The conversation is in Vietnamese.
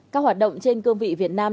các hoạt động trên cương vị việt nam